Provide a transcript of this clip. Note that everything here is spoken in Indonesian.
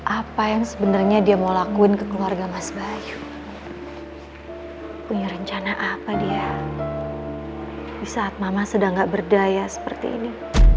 apa yang sebenarnya dia mau lakuin ke keluarga mas bayu